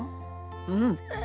うん。